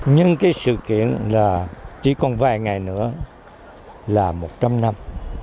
nhưng cái sự kiện là chỉ còn vài ngày nữa là một trăm linh năm